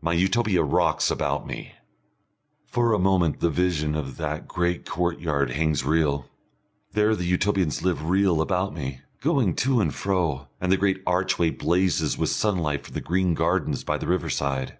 My Utopia rocks about me. For a moment the vision of that great courtyard hangs real. There the Utopians live real about me, going to and fro, and the great archway blazes with sunlight from the green gardens by the riverside.